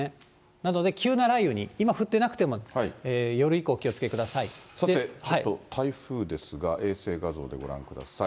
なので急な雷雨に、今降ってなくても、夜以降、さてちょっと、台風ですが、衛星画像でご覧ください。